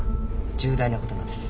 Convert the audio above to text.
重大な事なんです。